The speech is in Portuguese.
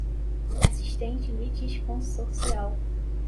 assistente litisconsorcial.